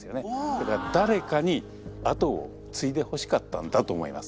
だから誰かに後を継いでほしかったんだと思います。